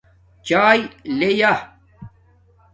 چاݵے لے یا